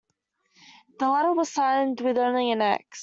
The letter was signed with only an X.